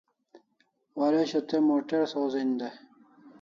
Waresho te motor sawzen dai